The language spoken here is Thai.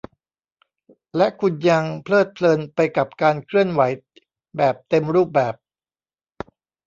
และคุณยังเพลิดเพลินไปกับการเคลื่อนไหวแบบเต็มรูปแบบ